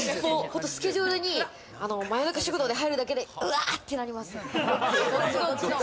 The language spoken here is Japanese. スケジュールに真夜中食堂が入るだけでうわってなります。